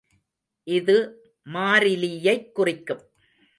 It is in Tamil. இது மாறிலியைக் குறிக்கும்.